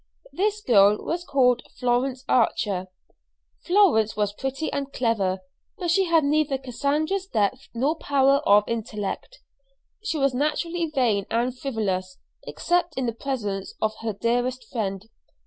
This girl was called Florence Archer. Florence was pretty and clever, but she had neither Cassandra's depth nor power of intellect. She was naturally vain and frivolous, except in the presence of her dearest friend.